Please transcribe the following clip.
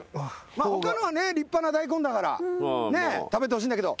他のは立派な大根だから食べてほしいんだけど。